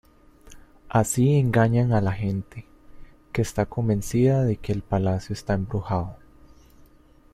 Así engañan a la gente, que está convencida de que el palacio está embrujado.